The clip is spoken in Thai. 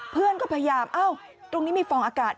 เพื่อนก็พยายามเอ้าตรงนี้มีฟองอากาศ